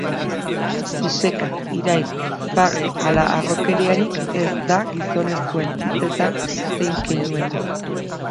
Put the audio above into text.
Iseka, irain, barre ala harrokeriarik ez da gizonezkoen hitzetan zein keinuetan.